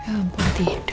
aku mau tidur